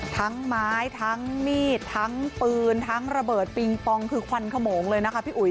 ทั้งไม้ทั้งมีดทั้งปืนทั้งระเบิดปิงปองคือควันขโมงเลยนะคะพี่อุ๋ย